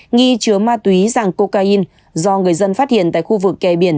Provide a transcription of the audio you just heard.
nghi chứa ma túy giàng cocaine do người dân phát hiện tại khu vực kè biển